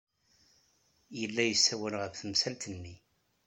Yella yessawal ɣef temsalt-nni.